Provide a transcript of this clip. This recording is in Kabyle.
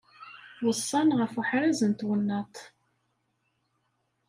Weṣṣan ɣef uḥraz n twennaṭ.